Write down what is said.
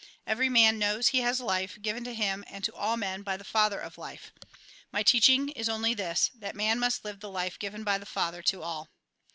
Every man knows he has life, given to him and to all men by the Father of life. My teaching is only this, that man must live the life given by the Father to all."